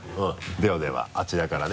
ではではあちらからね。